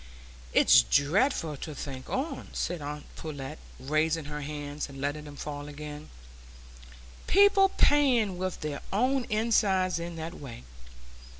"It's dreadful to think on," said aunt Pullet, raising her hands and letting them fall again, "people playing with their own insides in that way!